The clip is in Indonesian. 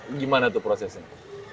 itu gimana tuh prosesnya